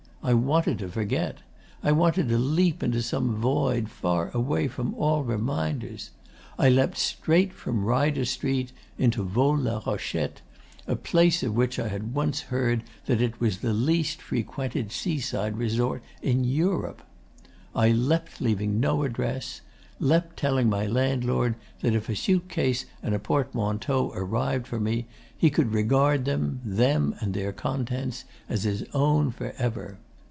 I wanted to forget. I wanted to leap into some void, far away from all reminders. I leapt straight from Ryder Street into Vaule la Rochette, a place of which I had once heard that it was the least frequented seaside resort in Europe. I leapt leaving no address leapt telling my landlord that if a suit case and a portmanteau arrived for me he could regard them, them and their contents, as his own for ever.